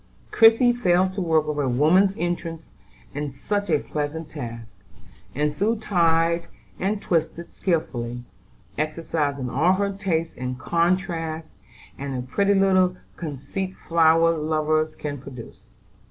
Christie fell to work with a woman's interest in such a pleasant task, and soon tied and twisted skilfully, exercising all her taste in contrasts, and the pretty little conceits flower lovers can produce.